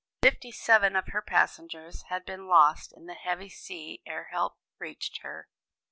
Fifty seven of her passengers had been lost in the heavy sea ere help reached her.